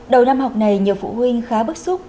đầu năm học này nhiều phụ huynh khá bức xúc